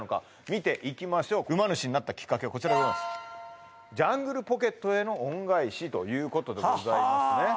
見ていきましょう馬主になったキッカケはこちらでございますジャングルポケットへの恩返しということでございますね